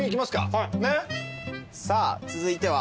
さあ続いては？